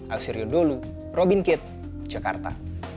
akserio dulu robin kitt jakarta